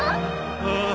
ああ。